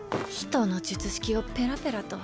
人の術式をペラペラと。